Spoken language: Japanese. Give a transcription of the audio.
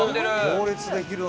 行列できるんだ。